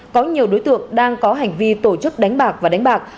có nhiều đối tượng đang có hành vi tổ chức đánh bạc và đánh bạc